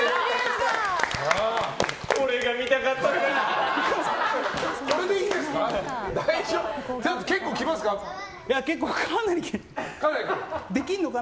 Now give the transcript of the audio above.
これが見たかったんだよなー！